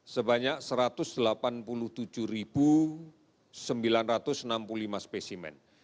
sebanyak satu ratus delapan puluh tujuh sembilan ratus enam puluh lima spesimen